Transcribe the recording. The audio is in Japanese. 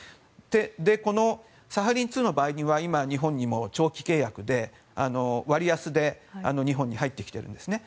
このサハリン２の場合今、日本にも長期契約で割安で日本に入ってきているんですね。